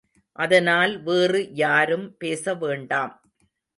அதனால் வேறு யாரும் பேசவேண்டாம்.